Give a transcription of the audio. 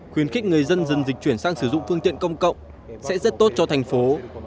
khuyến khích người dân dần dịch chuyển sang sử dụng phương tiện công cộng sẽ rất tốt cho thành phố